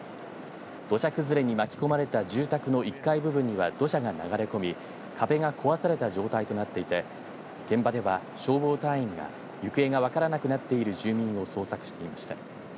土砂崩れに巻き込まれた住宅の１階部分には土砂が流れ込み、壁が壊された状態となっていて現場では消防隊員が行方が分からなくなっている住民を捜索していました。